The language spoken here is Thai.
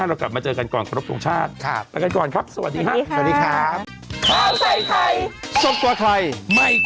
เรากลับมาเจอกันก่อนครบทรงชาติไปกันก่อนครับสวัสดีครับสวัสดีครับ